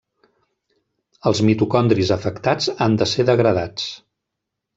Els mitocondris afectats han de ser degradats.